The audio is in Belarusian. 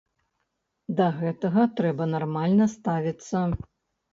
Да гэтага трэба нармальна ставіцца.